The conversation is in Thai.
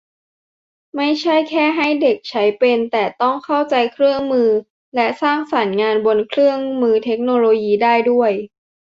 ไม่ใช่แค่ให้เด็กใช้เป็น แต่ต้องเข้าใจเครื่องมือ และสร้างสรรค์งานบนเครื่องมือเทคโนโลยีได้ด้วย